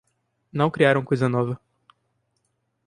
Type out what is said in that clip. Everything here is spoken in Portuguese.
Não criaram coisa nova.